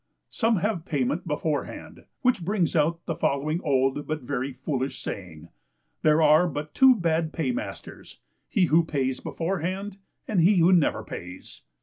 Some have payment before hand, which brings out the following old, but very foolish saying, "there are but two bad paymasters, he who pays beforehand, and he who never pays."